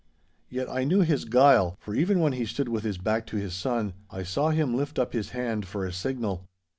Yet I knew his guile, for even when he stood with his back to his son, I saw him lift up his hand for a signal.